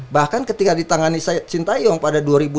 bahkan ketika ditangani sintayong pada dua ribu dua puluh dua